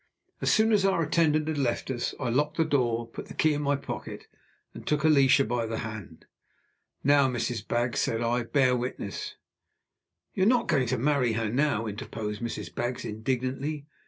As soon as our attendant had left us, I locked the door, put the key in my pocket, and took Alicia by the hand. "Now, Mrs. Baggs," said I, "bear witness " "You're not going to marry her now!" interposed Mrs. Baggs, indignantly.